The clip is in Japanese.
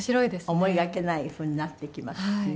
思いがけないふうになっていきますしね。